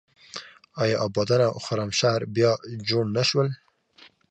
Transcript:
آیا ابادان او خرمشهر بیا جوړ نه شول؟